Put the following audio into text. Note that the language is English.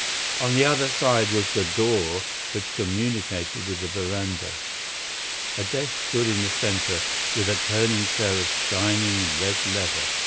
On the other side was the door which communicated with the veranda. A desk stood in the centre, with a turning chair of shining red leather.